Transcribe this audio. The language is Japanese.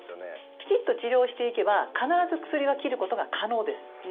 きちっと治療していけば必ず薬は切ることが可能です。